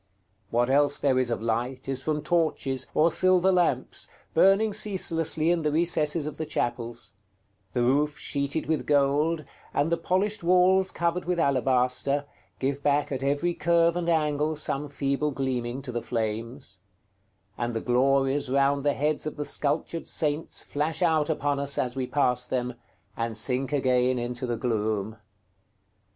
What else there is of light is from torches, or silver lamps, burning ceaselessly in the recesses of the chapels; the roof sheeted with gold, and the polished walls covered with alabaster, give back at every curve and angle some feeble gleaming to the flames; and the glories round the heads of the sculptured saints flash out upon us as we pass them, and sink again into the gloom.